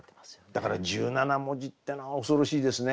だから１７文字ってのは恐ろしいですね。